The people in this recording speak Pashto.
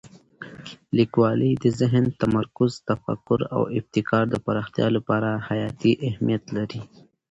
لیکوالی د ذهن تمرکز، تفکر او ابتکار د پراختیا لپاره حیاتي اهمیت لري.